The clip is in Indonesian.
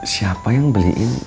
siapa yang beliin